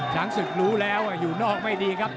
ช้างศึกรู้แล้วอยู่นอกไม่ดีครับ